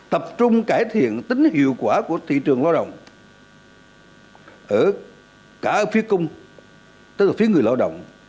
tập trung cải thiện tính hiệu quả của thị trường lao động ở cả phía cung tức là phía người lao động